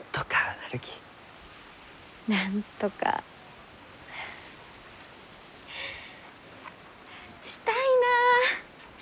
なんとかしたいなあ。